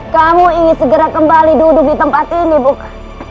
kamu ingin segera kembali duduk di tempat ini bukan